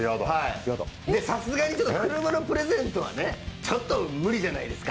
さすがに車のプレゼントはね、ちょっと無理じゃないですか。